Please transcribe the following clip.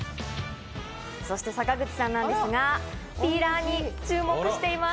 そして坂口さんなんですが、ピーラーに注目しています。